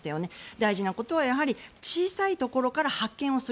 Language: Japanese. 大事なことは、やはり小さいところから発見をする。